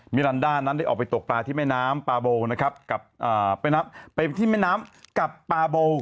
ลันดานั้นได้ออกไปตกปลาที่แม่น้ำปาโบนะครับกับไปที่แม่น้ำกับปาโบ